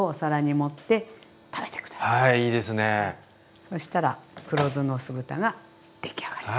そしたら黒酢の酢豚ができあがりです。